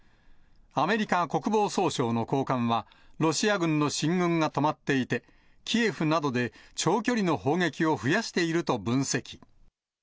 アメリカ国防総省の高官は、ロシア軍の進軍が止まっていて、キエフなどで長距離の砲撃を増やしていると分析。